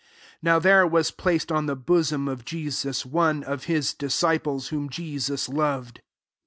23 Now there was placed on the bosom of Jesus one of his disciples, whom Jesus loved.